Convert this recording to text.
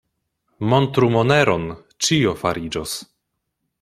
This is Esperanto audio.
Montru moneron, ĉio fariĝos.